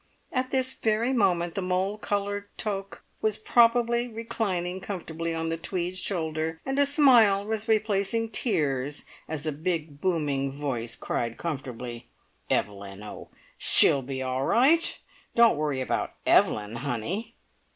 At this very moment the mole coloured toque was probably reclining comfortably on the tweed shoulder, and a smile was replacing tears as a big booming voice cried comfortably: "Evelyn! Oh, she'll be all right! Don't worry about Evelyn, honey.